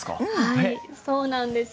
はいそうなんです。